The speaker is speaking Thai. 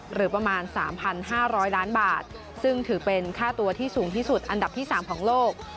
หรือประมาณ๓๕๐๐ล้านบาทซึ่งถือเป็นค่าตัวที่สูงที่สุดอันดับที่๓ของโลก